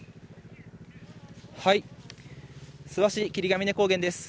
諏訪市霧ヶ峰高原です。